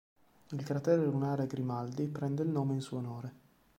Il cratere lunare Grimaldi prende il nome in suo onore.